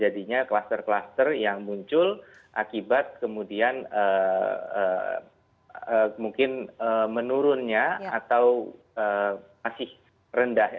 jadinya kluster kluster yang muncul akibat kemudian mungkin menurunnya atau masih rendah